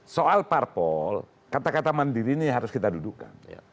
soal parpol kata kata mandiri ini harus kita dudukan